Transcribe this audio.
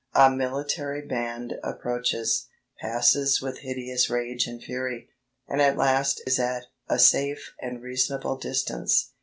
A military band approaches, passes with hideous rage and fury, and at last is at a safe and reasonable distance.